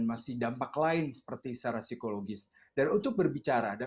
terdampar untuk mengajar dia pressure secologis terus berbicara dan